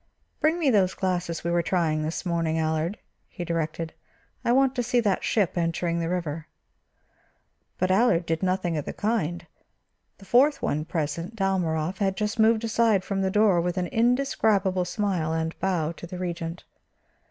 "Bring me those glasses we were trying this morning, Allard," he directed. "I want to see that ship entering the river." But Allard did nothing of the kind. The fourth one present, Dalmorov, had just moved aside from the door with an indescribable smile and bow to the Regent.